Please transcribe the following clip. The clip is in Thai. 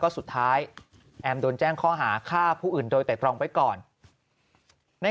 สุดท้ายแอมโดนแจ้งข้อหาฆ่าผู้อื่นโดยแต่ตรองไว้ก่อนใน